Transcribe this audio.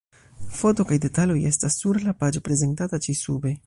Foto kaj detaloj estas sur la paĝo prezentata ĉi-sube.